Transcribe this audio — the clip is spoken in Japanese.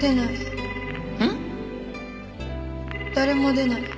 誰も出ない。